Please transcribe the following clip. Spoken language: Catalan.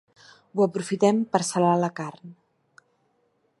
Ho aprofitem per salar la carn.